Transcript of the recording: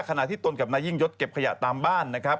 ขณะที่ตนกับนายยิ่งยศเก็บขยะตามบ้านนะครับ